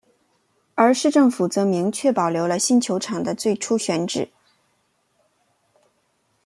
而市政府则明确保留了新球场的最初选址。